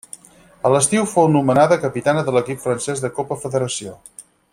A l'estiu fou nomenada capitana de l'equip francès de Copa Federació.